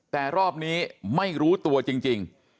แต่รอบนี้ไม่รู้ตัวจริง